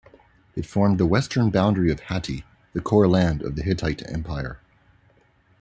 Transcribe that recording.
It formed the western boundary of Hatti, the core land of the Hittite empire.